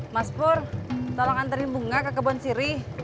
mas pur tolong anterin bunga ke kebon sirih